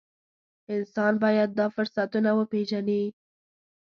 انسان باید دا فرصتونه وپېژني.